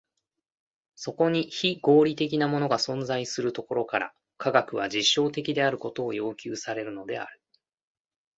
そこに非合理的なものが存在するところから、科学は実証的であることを要求されるのである。